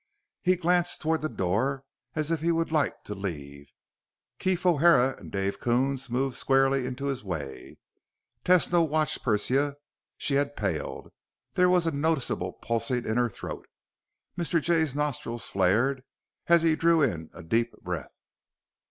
He glanced toward the door as if he would like to leave. Keef O'Hara and Dave Coons moved squarely into his way. Tesno watched Persia. She had paled. There was a noticeable pulsing in her throat. Mr. Jay's nostrils flared as he drew in a deep breath.